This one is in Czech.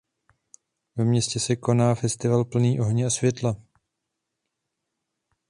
Ve městě se koná festival plný ohně a světla.